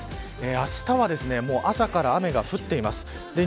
あしたは朝から雨が降っています。